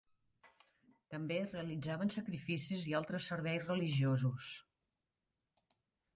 També realitzaven sacrificis i altres serveis religiosos.